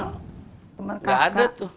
nggak ada tuh